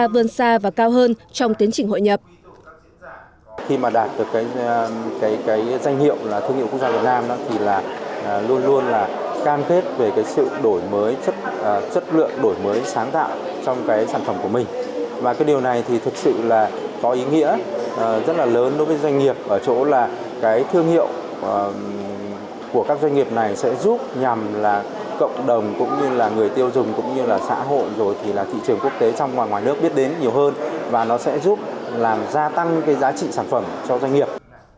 và nó sẽ giúp làm gia tăng cái giá trị sản phẩm cho doanh nghiệp